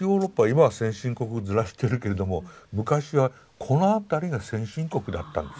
今は先進国面してるけれども昔はこの辺りが先進国だったんです。